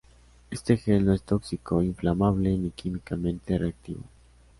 Este gel no es tóxico, inflamable ni químicamente reactivo.